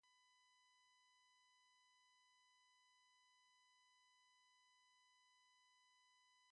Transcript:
The movable Egyptian year had been converted into the fixed Alexandrian year.